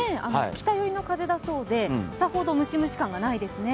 北寄りの風だそうで、さほど蒸し蒸し感がないですね。